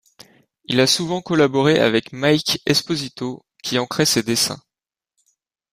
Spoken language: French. Il a souvent collaboré avec Mike Esposito qui encrait ses dessins.